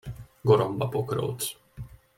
Goromba pokróc!